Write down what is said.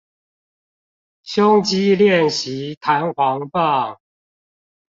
胸肌練習彈簧棒